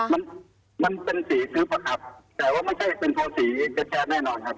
แต่ว่าอันนี้ไม่ใช่คนสีแข็ดแน่นอน